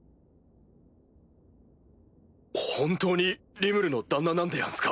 本当にリムルの旦那なんでやんすか？